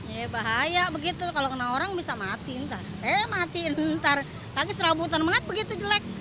ya bahaya begitu kalau kena orang bisa mati ntar eh matiin ntar lagi serabutan banget begitu jelek